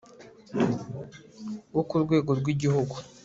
WO KU RWEGO RW IGIHUGU